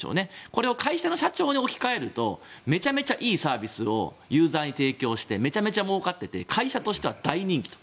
これを会社の社長に置き換えるとめちゃめちゃいいサービスをユーザーに提供していてもうかっていて会社としては大人気と。